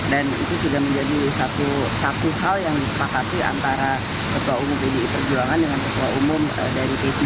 dan itu sudah menjadi satu hal yang disepakati antara ketua umum pdi terjuangan dengan ketua umum dari t tiga